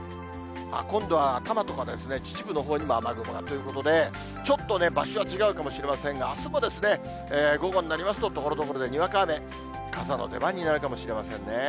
今度は多摩とか秩父のほうにも雨雲がということで、ちょっとね、場所は違うかもしれませんが、あすも午後になりますと、ところどころでにわか雨、傘の出番になるかもしれませんね。